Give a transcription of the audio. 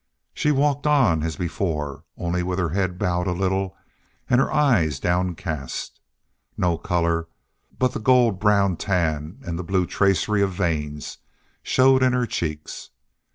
She walked on as before, only with her head bowed a little and her eyes downcast. No color but the gold brown tan and the blue tracery of veins showed in her cheeks.